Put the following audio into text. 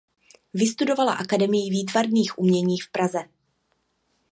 Vystudovala Akademii výtvarných umění v Praze.